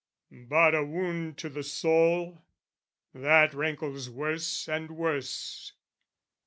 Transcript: But a wound to the soul? That rankles worse and worse.